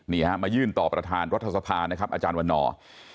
นี่ฮะมายื่นต่อประธานรัฐสภานะครับอาจารย์วันนอร์